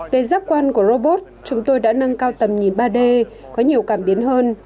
về giác quan của robot chúng tôi đã nâng cao tầm nhìn ba d có nhiều cảm biến hơn